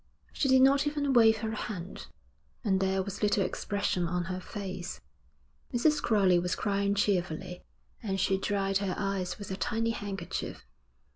She did not even wave her hand, and there was little expression on her face. Mrs. Crowley was crying cheerfully, and she dried her eyes with a tiny handkerchief.